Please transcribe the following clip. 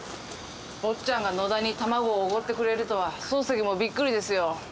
坊っちゃんが野田に卵をおごってくれるとは漱石もびっくりですよ。